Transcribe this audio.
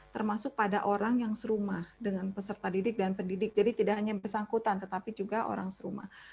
termasuk pada orang yang serumah dengan peserta didik dan pendidik jadi tidak hanya bersangkutan tetapi juga orang serumah